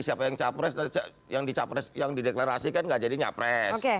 siapa yang capres yang dideklarasikan nggak jadi capres